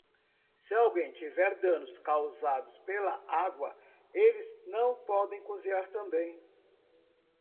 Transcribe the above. Se alguém tiver danos causados pela água, eles não podem cozinhar também.